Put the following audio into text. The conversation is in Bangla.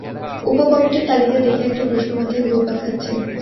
উপকমিটির তালিকা দেখে একটি প্রশ্ন মাথায় ঘুরপাক খাচ্ছে।